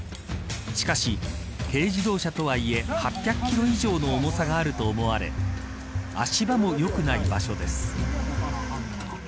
しかし、軽自動車とはいえ８００キロ以上の重さがあると思われ足場も良くない場所です。